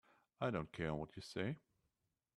I don't care what you say.